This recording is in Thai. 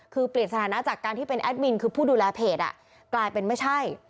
คือเปลี่ยนสถานะจากการที่เป็นแอดมินคือผู้ดูแลเพจกลายเป็นไม่ใช่